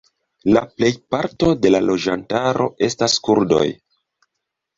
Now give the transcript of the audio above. La plejparto de la loĝantaro estas kurdoj.